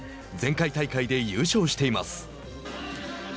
前回大会で優勝しています。